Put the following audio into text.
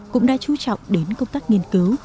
cũng đã chú trọng đến công tác nghiên cứu